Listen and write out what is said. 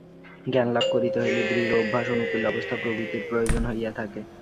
জ্ঞানলাভ করিতে হইলে দৃঢ় অভ্যাস, অনুকূল অবস্থা প্রভৃতির প্রয়োজন হইয়া থাকে।